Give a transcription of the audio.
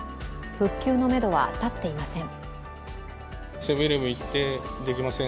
復旧のめどは立っていません。